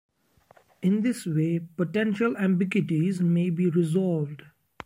In this way potential ambiguities may be resolved.